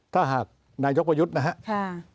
ถ้าหากนายกประยุทธ์นะครับ